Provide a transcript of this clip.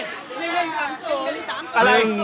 ถูกต้อง